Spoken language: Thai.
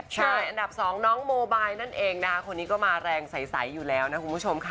เช่นนี้ก็มาแรงใจโดยแล้วคุณคูมชมค่ะ